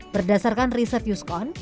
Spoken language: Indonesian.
berdasarkan riset yuskon